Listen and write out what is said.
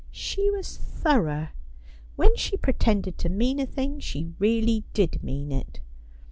' She was thorough. When she pretended to mean a thing she really did mean it.